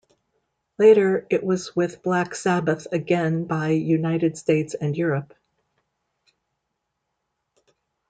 Later it was with Black Sabbath again by United States and Europe.